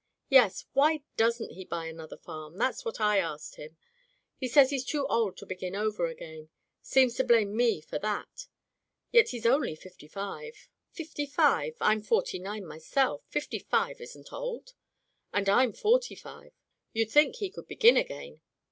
Yes, why doesn*t he buy another farm ? That's what I asked him. He says he's too old to begin over again. Seems to blame me for that. Yet he's only fifty five." "But — ^fifty five — I'm forty nine myself. Fifty five isn't old." "And I'm forty five. No. You'd think he could begin again."